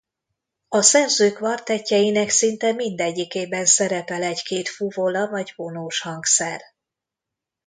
A szerző kvartettjeinek szinte mindegyikében szerepel egy-két fuvola vagy vonós hangszer.